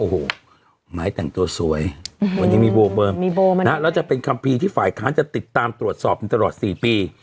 โอ้โหไม้แต่งตัวสวยวันนี้มีโบมานะแล้วจะเป็นคัมภีร์ที่ฝ่ายค้านจะติดตามตรวจสอบอยู่ตลอด๔ปี